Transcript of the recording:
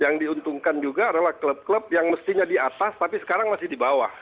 yang diuntungkan juga adalah klub klub yang mestinya di atas tapi sekarang masih di bawah